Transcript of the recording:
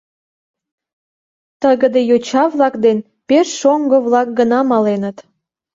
Тыгыде йоча-влак ден пеш шоҥго-влак гына маленыт.